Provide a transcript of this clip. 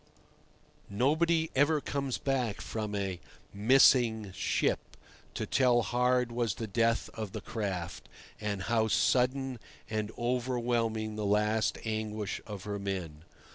Nobody ever comes back from a "missing" ship to tell how hard was the death of the craft, and how sudden and overwhelming the last anguish of her men.